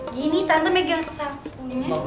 gini tante megang salkunya